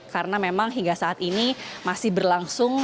karena memang hingga saat ini masih berlangsung